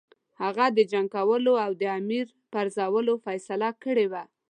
هغه د جنګ کولو او د امیر پرزولو فیصله کړې وه.